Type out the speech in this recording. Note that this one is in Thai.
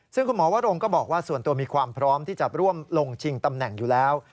ซึ่งคุณหมอวรงก็บอกว่าส่วนตัวมีความพร้อมที่จะร่วมลงชิงตำแหน่งอยู่แล้ว